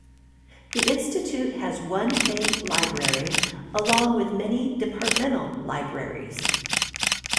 The Institute has one Main Library along with many Departmental Libraries.